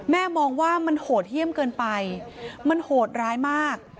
มองว่ามันโหดเยี่ยมเกินไปมันโหดร้ายมาก